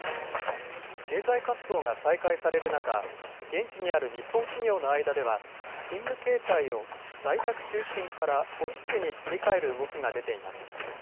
経済活動が再開される中、現地にある日本企業の間では、勤務形態を在宅中心からオフィスに切り替える動きが出ています。